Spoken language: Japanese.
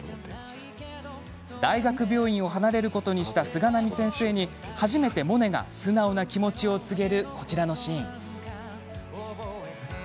大学病院を離れることにした菅波先生に初めてモネが素直な気持ちを告げる、こちらのシーン。